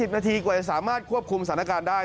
นาทีกว่าจะสามารถควบคุมสถานการณ์ได้